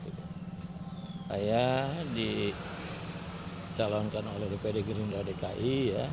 saya dicalonkan oleh dpd gerindra dki